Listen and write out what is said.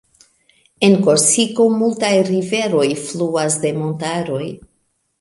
En Korsiko multaj riveroj fluas de montaroj.